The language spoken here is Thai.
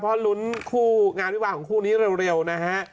เพราะลุ้นคู่งานวิวาของคู่นี้เร็วนะฮะ